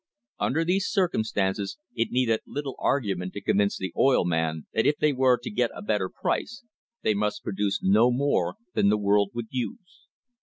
Under these circumstances it needed little argu ment to convince the oil men that if they were to get a better price they must produce no more than the world would use.